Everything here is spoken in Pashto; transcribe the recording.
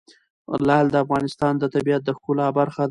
لعل د افغانستان د طبیعت د ښکلا برخه ده.